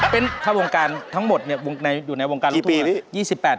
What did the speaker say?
เป็นถ้าวงการทั้งหมดอยู่ในวงการลูกทุ่มแล้ว